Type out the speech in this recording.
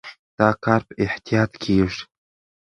دا کار په احتیاط کېږي.